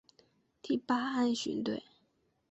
第八岸巡队